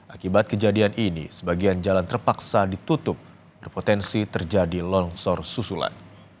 akibat kejadian ini sebagian jalan terpaksa ditutup berpotensi terjadi longsor susulan